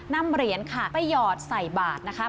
นำเหรียญค่ะไปหยอดใส่บาทนะคะ